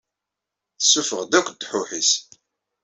Tessufeɣ-d akk ddḥuḥ-ines!